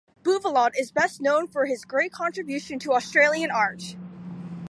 Buvelot is best known for his great contribution to Australian art.